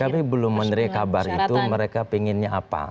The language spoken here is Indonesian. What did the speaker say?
kami belum menerima kabar itu mereka inginnya apa